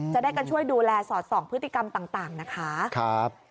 จะได้กันช่วยดูแลสอดส่องพฤติกรรมต่างนะคะ